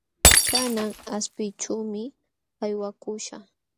Kanan qaspiykuyćhuumi aywakuśhaq.